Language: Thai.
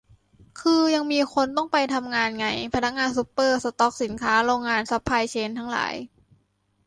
คือยังมีคนที่ต้องไปทำงานไง พนักงานซูเปอร์ สต็อกสินค้า โรงงาน ซัพพลายเชนทั้งหลาย